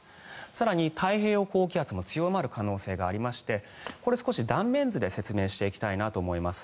更に、太平洋高気圧も強まる可能性がありましてこれ、少し断面図で説明していきたいと思います。